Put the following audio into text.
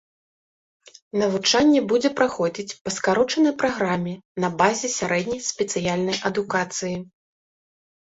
Навучанне будзе праходзіць па скарочанай праграме, на базе сярэдняй спецыяльнай адукацыі.